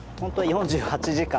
４８時間！？